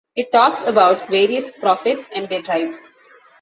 It talks about various prophets and their tribes.